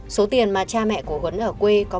số tiền mà cha mẹ của huấn ở quê có